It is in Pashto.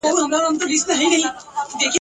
په کلو یې یوه زرکه وه ساتلې ..